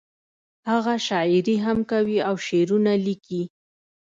هغه شاعري هم کوي او شعرونه ليکي